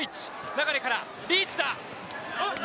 流からリーチだ！